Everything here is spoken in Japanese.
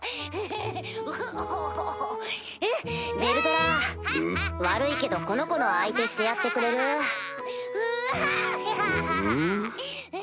ヴェルドラ悪いけどこの子の相手してやってくれる？ハハハ！ん？